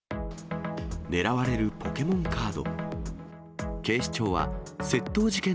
狙われるポケモンカード。